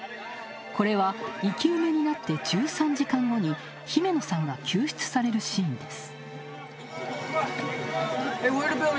これは生き埋めになって１３時間後にヒメノさんが救出されるシーンです。